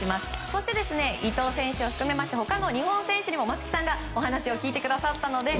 そして、伊東選手を含めまして他の日本選手にもお話を聞いてくださったので